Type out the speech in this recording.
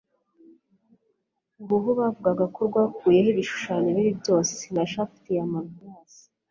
uruhu bavugaga ko rwakuyeho ibishushanyo bibi byose na shaft ya malvolence